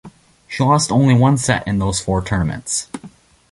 She lost only one set in those four tournaments.